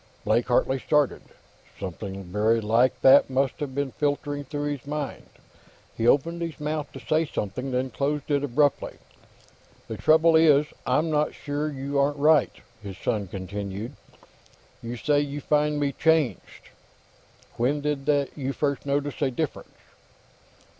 Blake Hartley started. Something very like that must have been flitting through his mind. He opened his mouth to say something, then closed it abruptly. "The trouble is, I'm not sure you aren't right," his son continued. "You say you find me changed. When did you first notice a difference?"